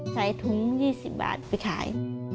ใส่ถุง๒๐บาทไปขาย